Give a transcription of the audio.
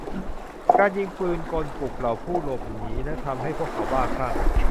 การยิงปืนกลปลุกเหล่าผู้หลบหนีและทำให้พวกเขาบ้าคลั่ง